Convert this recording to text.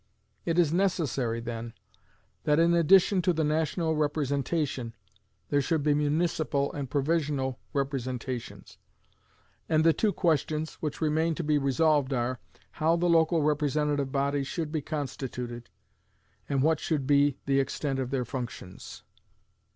It is necessary, then, that, in addition to the national representation, there should be municipal and provisional representations; and the two questions which remain to be resolved are, how the local representative bodies should be constituted, and what should be the extent of their functions.